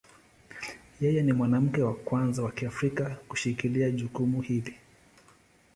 Yeye ni mwanamke wa kwanza wa Kiafrika kushikilia jukumu hili.